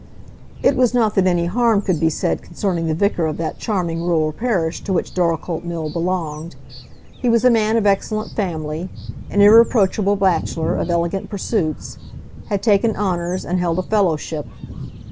It was not that any harm could be said concerning the vicar of that charming rural parish to which Dorlcote Mill belonged; he was a man of excellent family, an irreproachable bachelor, of elegant pursuits,—had taken honours, and held a fellowship.